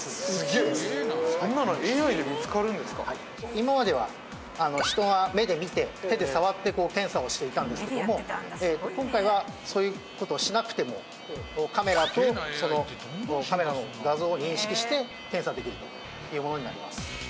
今までは人が目で見て手で触ってこう検査をしていたんですけども今回はそういう事をしなくてもカメラとそのカメラの画像を認識して検査できるというものになります。